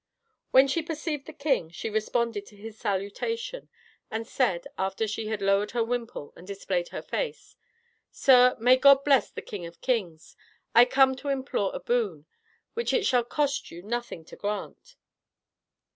When she perceived the king, she responded to his salutation, and said, after she had lowered her wimple and displayed her face: "Sir, may God bless the best of kings! I come to implore a boon, which it shall cost you nothing to grant."